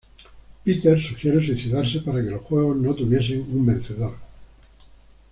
Peter sugiere suicidarse, para que los juegos no tuviesen un vencedor.